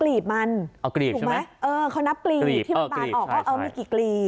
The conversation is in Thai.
กรีบใช่ไหมเออเขานับกรีบที่มันปานออกว่าเอามีกี่กรีบ